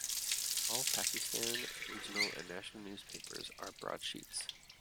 All Pakistan regional and national newspapers are broadsheets.